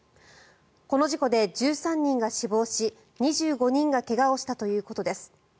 この事故で１３人が死亡し２５人が怪我をしたということです。